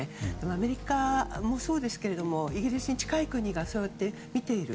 アメリカもそうですけれどもイギリスに近い国がそうやって見ている。